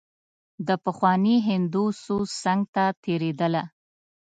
د پخواني هندو سوز څنګ ته تېرېدله.